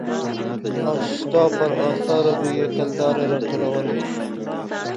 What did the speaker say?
او ستا پر اثارو به يې کلدارې را ټولولې.